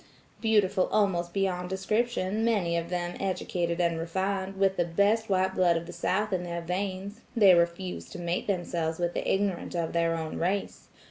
Beautiful almost beyond description, many of them educated and refined, with the best white blood of the South in their veins, they refuse to mate themselves with the ignorant of their own race.